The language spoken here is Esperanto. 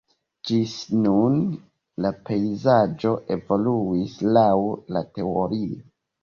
Ĝis nun la pejzaĝo evoluis laŭ la teorio.